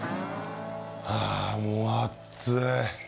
ああ、もう暑い！